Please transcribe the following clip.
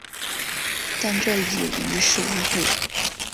但这已于事无补。